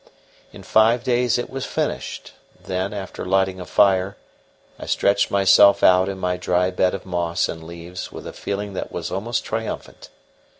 In five days it was finished; then, after lighting a fire, I stretched myself out in my dry bed of moss and leaves with a feeling that was almost triumphant.